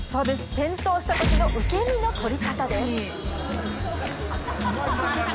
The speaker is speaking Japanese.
転倒したときの受け身の取り方です。